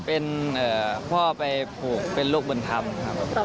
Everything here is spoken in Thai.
เป็นพ่อไปผูกเป็นโรคบุญธรรมครับ